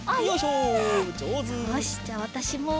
よしじゃあわたしも。